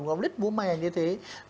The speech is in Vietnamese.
gạo lít muối mè như thế